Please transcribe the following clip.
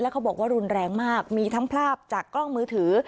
เขาบอกว่ารุนแรงมากมีทั้งภาพจากกล้องมือถือ